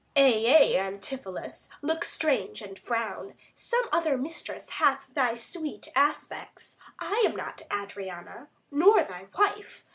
_ Adr. Ay, ay, Antipholus, look strange and frown: Some other mistress hath thy sweet aspects; 110 I am not Adriana nor thy wife.